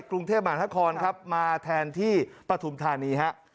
กรุงเทพมหาคลมาแทนที่ประธุมธานี